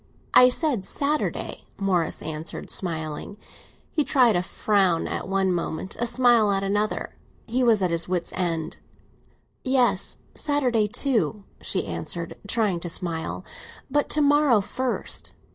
"I said Saturday!" Morris answered, smiling. He tried a frown at one moment, a smile at another; he was at his wit's end. "Yes, Saturday too," she answered, trying to smile. "But to morrow first."